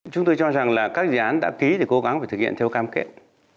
chúng tôi cho rằng là các dự án đã ký thì cố gắng phải thực hiện theo cam kết